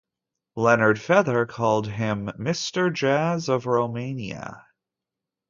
Leonard Feather called him "Mr. Jazz of Romania".